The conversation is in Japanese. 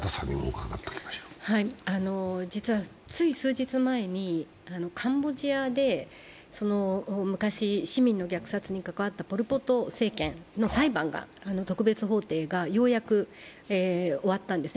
実はつい数日前にカンボジアで、昔、市民の虐殺に関わったポル・ポト政権の裁判が特別法廷がようやく終わったんです。